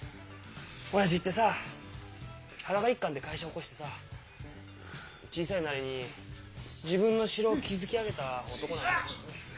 親父ってさあ裸一貫で会社起こしてさ小さいなりに自分の城を築き上げた男なんだ。